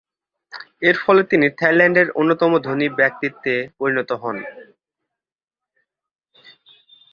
এরফলে তিনি থাইল্যান্ডের অন্যতম ধনী ব্যক্তিত্বে পরিণত হন।